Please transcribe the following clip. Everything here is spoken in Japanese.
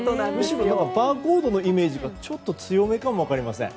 むしろバーコードのイメージが強めかもしれません。